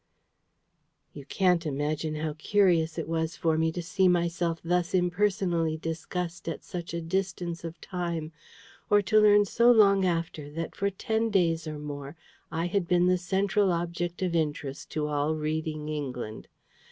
You can't imagine how curious it was for me to see myself thus impersonally discussed at such a distance of time, or to learn so long after that for ten days or more I had been the central object of interest to all reading England.